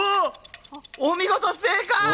お見事、正解！